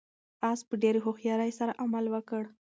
آس په ډېرې هوښیارۍ سره عمل وکړ.